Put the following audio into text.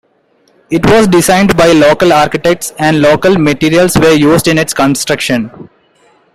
It was designed by local architects and local materials were used in its construction.